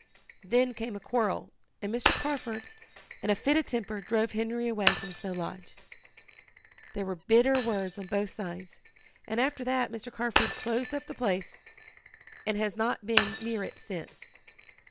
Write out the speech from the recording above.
Then came a quarrel, and Mr. Carford, in a fit of temper, drove Henry away from Snow Lodge. There were bitter words on both sides, and after that Mr. Carford closed up the place, and has not been near it since.